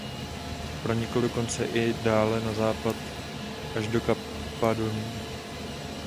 Pronikl dokonce i dále na západ až do Kappadokie.